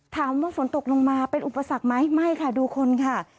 ถามว่าฝนตกลงมาเป็นอุปสรรคไหมไม่ค่ะดูคนค่ะ